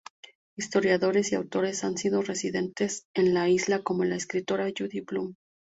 Historiadores y autores han sido residentes en la isla como la escritora Judy Blume.